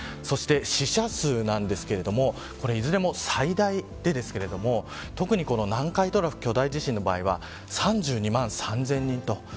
死者数ですがいずれも最大でこの南海トラフ巨大地震の場合は特に３２万３０００人と。